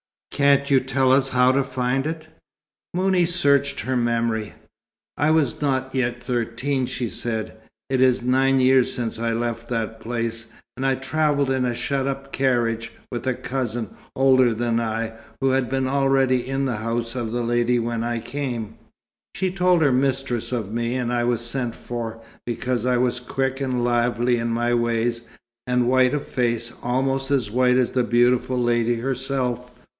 "Can't you tell us how to find it?" Mouni searched her memory. "I was not yet thirteen," she said. "It is nine years since I left that place; and I travelled in a shut up carriage, with a cousin, older than I, who had been already in the house of the lady when I came. She told her mistress of me, and I was sent for, because I was quick and lively in my ways, and white of face, almost as white as the beautiful lady herself.